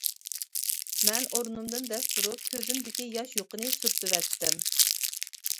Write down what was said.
مەن ئورنۇمدىن دەس تۇرۇپ كۆزۈمدىكى ياش يۇقىنى سۈرتۈۋەتتىم.